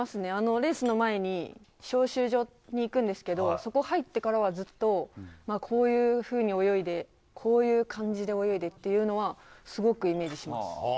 レースの前に招集所に行くんですけどそこ入ってからはずっとこういうふうに泳いでこういう感じで泳いでというのはすごくイメージします。